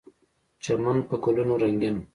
چمن په ګلونو رنګین و.